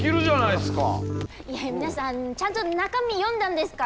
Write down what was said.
いやいや皆さんちゃんと中身読んだんですか？